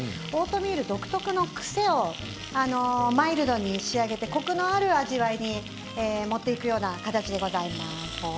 オートミール独特の癖をマイルドに仕上げてコクのある味わいに持っていくような形でございます。